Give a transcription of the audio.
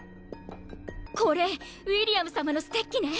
これウィリアム様のステッキね。